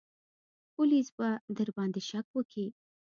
پوليس به درباندې شک وکي.